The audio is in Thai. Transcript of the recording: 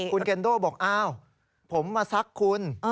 คุณเคนโดบอกอ้าวผมมาซักคุณ